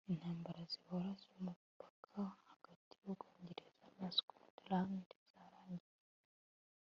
intambara zihoraho z'umupaka hagati y'ubwongereza na scotland zarangiye